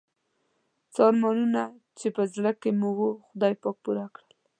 څه ارمانونه چې په زړه کې مې وو خدای پاک پوره کړل.